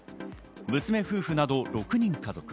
娘夫婦など６人家族。